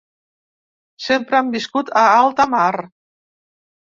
Sempre han viscut a alta mar.